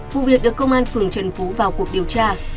vụ việc được công an phường trần phú vào cuộc điều tra